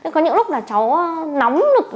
có những lúc là cháu nóng lực